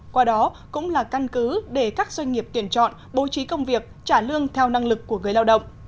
qua đó cũng là căn cứ để các doanh nghiệp tuyển chọn bố trí công việc trả lương theo năng lực của người lao động